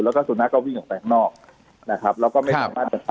แล้วก็สุนัขก็วิ่งข้างแปลงนอกนะครับแล้วก็ไม่ครับ